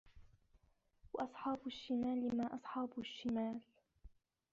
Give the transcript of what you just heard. وَأَصحابُ الشِّمالِ ما أَصحابُ الشِّمالِ